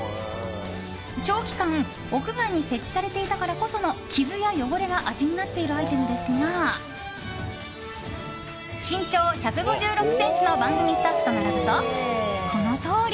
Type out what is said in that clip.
長期間屋外に設置されていたからこその傷や汚れが味になっているアイテムですが身長１５６ｃｍの番組スタッフと並ぶとこのとおり。